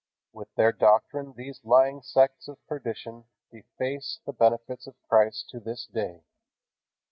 With their doctrine these lying sects of perdition deface the benefits of Christ to this day.